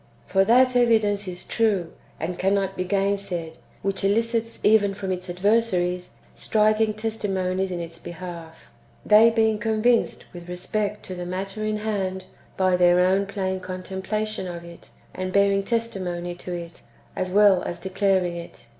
For that evidence is true, and cannot be gainsaid, wdiich elicits even from its adversaries striking^ testimonies in its behalf ; they being convinced with respect to the matter in hand by their own plain contempla tion of it, and bearing testimony to it, as well as declaring it.'